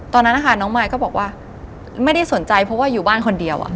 ตอนนั้นนะคะน้องมายก็บอกว่าไม่ได้สนใจเพราะว่าอยู่บ้านคนเดียว